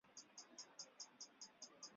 圣梅阿尔德居尔松。